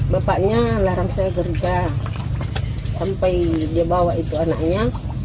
bapaknya larang saya kerja sampai dia bawa itu anaknya